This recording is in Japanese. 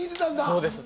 そうです。